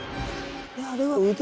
あれは腕？